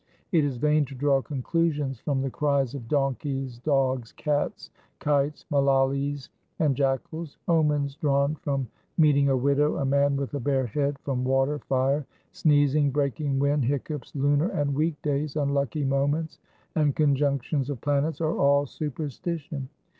It is vain to draw conclusions from the cries of donkeys, dogs, cats, kites, malalis 2 and jackals. Omens drawn from meeting a widow, a man with a bare head, from water, fire, sneezing, breaking wind, hiccups, lunar and week days, unlucky moments, and conjunctions of planets are all superstition.